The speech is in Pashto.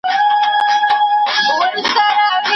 راته وساته ګلونه د نارنجو امېلونه